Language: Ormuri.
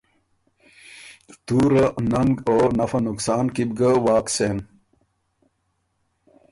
تُوره، ننګ او نفع نقصان کی بو ګه واک سېن۔